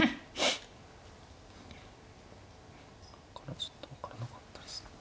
ここからちょっと分からなかったです。